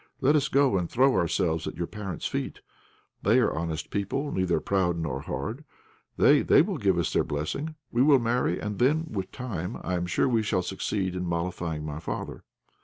Let us go and throw ourselves at your parents' feet. They are honest people, neither proud nor hard; they they will give us their blessing we will marry, and then with time, I am sure, we shall succeed in mollifying my father.